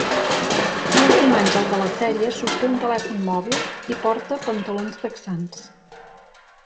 L'últim àngel a la sèrie sosté un telèfon mòbil i porta pantalons texans.